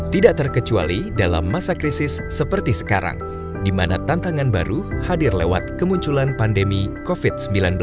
tidak terkecuali dalam masa krisis seperti sekarang di mana tantangan baru hadir lewat kemunculan pandemi covid sembilan belas